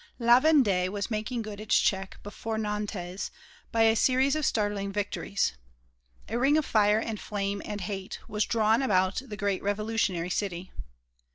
La Vendée was making good its check before Nantes by a series of startling victories. A ring of fire and flame and hate was drawn about the great revolutionary city.